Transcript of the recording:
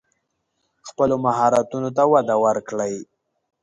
خپلو مهارتونو ته وده ورکړئ.